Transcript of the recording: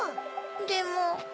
でも。